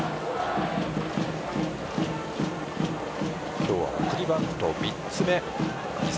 今日は送りバント３つ目犠牲